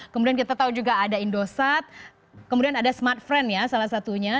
kemudian kita tahu juga ada indosat kemudian ada smartfriend ya salah satunya